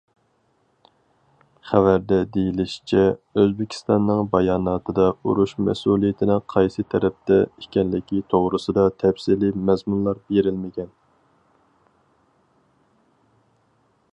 خەۋەردە دېيىلىشىچە، ئۆزبېكىستاننىڭ باياناتىدا ئۇرۇش مەسئۇلىيىتىنىڭ قايسى تەرەپتە ئىكەنلىكى توغرىسىدا تەپسىلىي مەزمۇنلار بېرىلمىگەن.